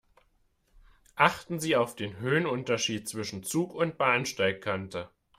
Achten Sie auf den Höhenunterschied zwischen Zug und Bahnsteigkante.